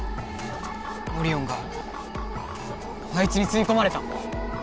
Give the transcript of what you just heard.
オリオンがあいつにすいこまれた。